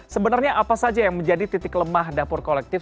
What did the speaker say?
sebenarnya apa saja yang menjadi titik lemah dapur kolektif